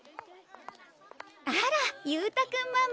あら勇太君ママ。